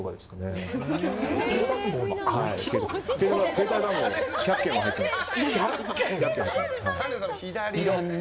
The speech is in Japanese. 携帯番号１００件は入ってます。